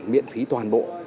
miễn phí toàn bộ